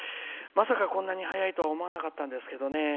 まさか、こんなに早いとは思わなかったんですけどね。